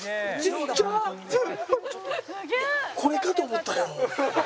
これかと思ったよ。